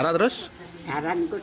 kalau darah terus